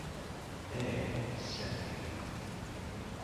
"Nay," said he.